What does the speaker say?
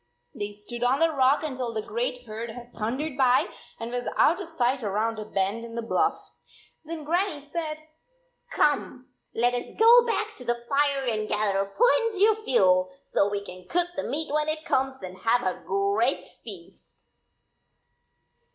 They stood on the rock until the great herd had thundered by and was out of sight around a bend in the bluff. Then Grannie said, " Come, let us go back to the fire and gather plenty of fuel, so we can cook the meat when it comes, and have a great feast."